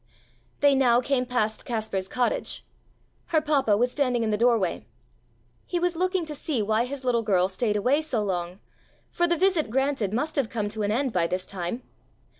They now came past Kaspar's cottage. Her papa was standing in the doorway. He was looking to see why his little girl stayed away so long, for the visit granted must have come to an end by this time.